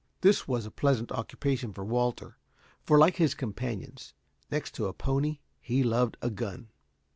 This was a pleasant occupation for Walter, for, like his companions, next to a pony he loved a gun.